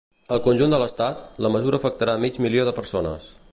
Al conjunt de l’estat, la mesura afectarà mig milió de persones.